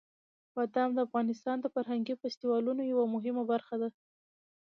بادام د افغانستان د فرهنګي فستیوالونو یوه مهمه برخه ده.